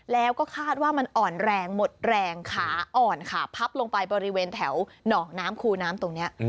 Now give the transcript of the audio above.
แล้วก็คาดว่ามันอ่อนแรงหมดแรงขาอ่อนค่ะพับลงไปบริเวณแถวหนองน้ำคูน้ำตรงนี้